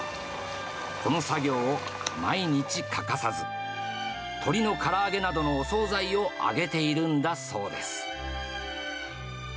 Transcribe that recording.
この作業を毎日欠かさず、鶏のから揚げなどのお総菜を揚げているんだそうです。